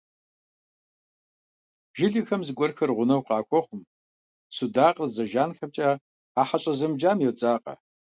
Жылэхэм зыгуэрхэр гъунэгъу къыхуэхъум, судакъыр дзэ жанхэмкӀэ а хьэщӀэ зэмыджам йодзакъэ.